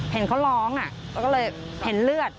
เห็นเขาร้องแล้วก็เลยเห็นเลือด